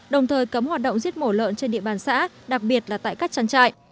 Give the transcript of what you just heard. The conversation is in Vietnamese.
đồng thời cấm hoạt động giết mổ lợn trên địa bàn xã đặc biệt là tại các trang trại